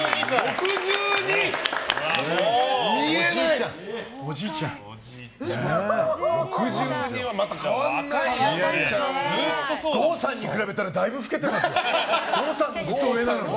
６２は、また郷さんに比べたらだいぶ老けてますよ。